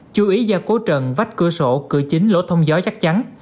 chú ý gia cố trần vách cửa sổ cửa chính lỗ thông gió chắc chắn